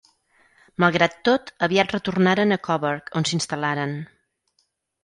Malgrat tot, aviat retornaren a Coburg on s'instal·laren.